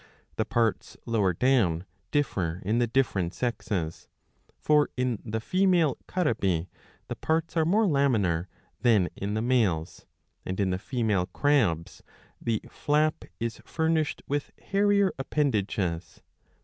The parts lower down differ in the different sexes. For in the female Carabi the parts are more laminar than in the males,^ and in the female Crabs the flap is furnished with hairier appen dages.